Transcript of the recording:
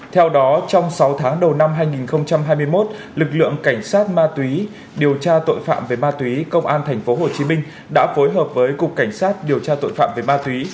theo đó trong sáu tháng đầu năm hai nghìn hai mươi một lực lượng cảnh sát ma túy điều tra tội phạm về ma túy công an tp hcm đã phối hợp với cục cảnh sát điều tra tội phạm về ma túy